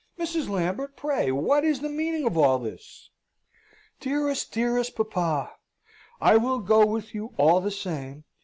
Mrs. Lambert, pray what is the meaning of all this?" "Dearest, dearest papa! I will go with you all the same!"